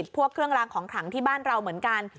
เครื่องรางของขังที่บ้านเราเหมือนกัน